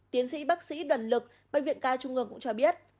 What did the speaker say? tiến sĩ bác sĩ đoàn lực bệnh viện ca trung ương cũng cho biết